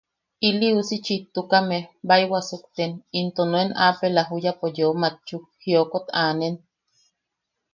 Ii uusi chiktukame bai wasukten into nuen apela juyapo yeu makchuk jiokot aanen.